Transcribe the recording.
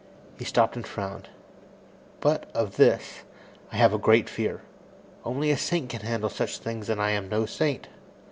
He stopped and frowned. "But, of this, I have a great fear. Only a saint can handle such things, and I am no saint."